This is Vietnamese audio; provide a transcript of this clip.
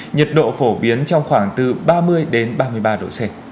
nhiệt độ phổ biến trong khoảng từ ba mươi đến ba mươi ba độ c